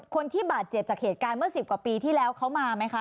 คนที่บาดเจ็บจากเหตุการณ์เมื่อ๑๐กว่าปีที่แล้วเขามาไหมคะ